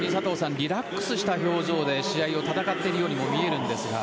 リラックスした表情で試合を戦っているようにも見えるんですが。